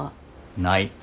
ない。